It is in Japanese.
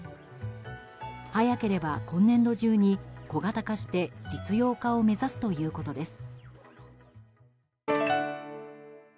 早ければ今年度中に小型化して実用化を目指すということです。